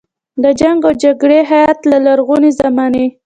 د جنګ او جګړې هیت له لرغونې زمانې.